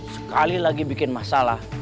sekali lagi bikin masalah